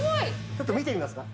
ちょっと見てみますか？